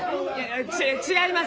ち違います！